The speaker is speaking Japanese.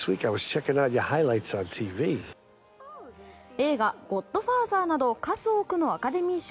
映画「ゴッドファーザー」など数多くのアカデミー賞